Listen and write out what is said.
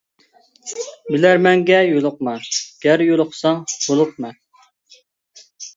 بىلەرمەنگە يولۇقما، گەر يولۇقساڭ ھولۇقما.